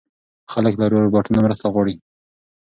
خلک له روباټونو مرسته غواړي.